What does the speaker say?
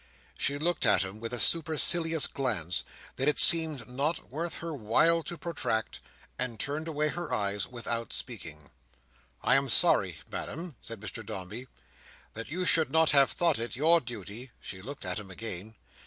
She looked at him with a supercilious glance, that it seemed not worth her while to protract, and turned away her eyes without speaking. "I am sorry, Madam," said Mr Dombey, "that you should not have thought it your duty—" She looked at him again.